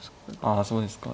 ああそうですか。